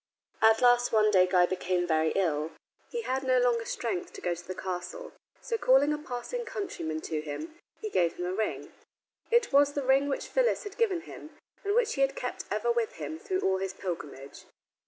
At last one day Guy became very ill. He had no longer strength to go to the castle, so calling a passing countryman to him, he gave him a ring. It was the ring which Phyllis had given him, and which he had kept ever with him through all his pilgrimage.